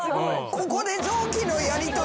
ここで。